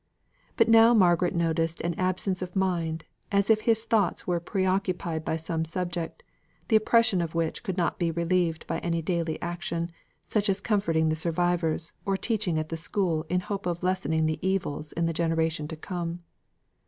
But now Margaret noticed an absence of mind, as if his thoughts were pre occupied by some subject, the oppression of which could not be relieved by any daily action, such as comforting the survivors, or teaching at the school in hope of lessening the evils in the generation to come.